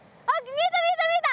見えた見えた見えた！